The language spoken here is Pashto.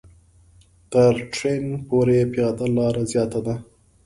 تر ټرېن پورې پیاده لاره زیاته ده.